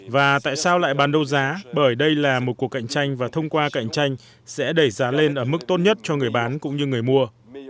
và tại sao lại bán đấu giá bởi đây là một cuộc cạnh tranh và thông qua cạnh tranh sẽ đẩy giá lên ở mức tốt nhất cho người bán cũng như người mua